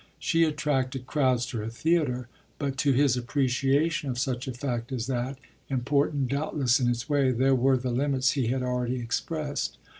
She attracted crowds to her theatre, but to his appreciation of such a fact as that, important doubtless in its way, there were the limits he had already expressed.